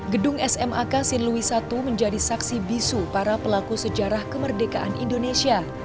gedung smak siluis i menjadi saksi bisu para pelaku sejarah kemerdekaan indonesia